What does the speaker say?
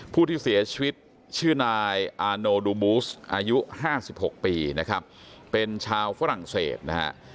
ผู้ที่เสียชีวิตชื่อนายอาโนดูบูสอายุ๕๖ปีนะครับเป็นชาวฝรั่งเศสนะฮะ